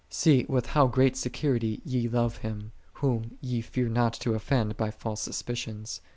See with how great security ye love Him, Whom ye fear not to offend by false suspicions.